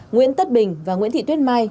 nguyễn tất bình và nguyễn thị tuyết mai